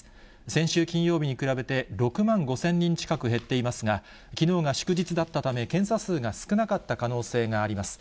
先週金曜日に比べて、６万５０００人近く減っていますが、きのうが祝日だったため、検査数が少なかった可能性があります。